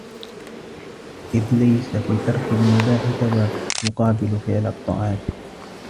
إذْ لَيْسَ فِي تَرْكِ الْمُبَاحِ ثَوَابٌ يُقَابِلُ فِعْلَ الطَّاعَاتِ